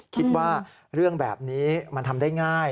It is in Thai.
คิดว่าเรื่องแบบนี้มันทำได้ง่าย